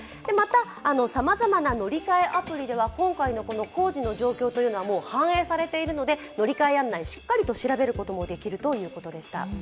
さまざまな乗り換えアプリでは今回の工事の情報はもう反映されているので乗り換え案内、しっかりと調べることもできるということでした。